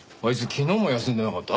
昨日も休んでなかった？